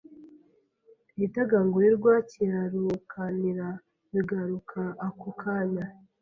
Igitagangurirwa kirarukanira, bigaruka ako kanya